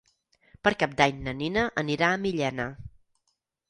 Per Cap d'Any na Nina anirà a Millena.